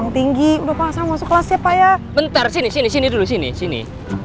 yang tinggi udah pasang masuk kelas ya pak ya bentar sini sini sini dulu sini sini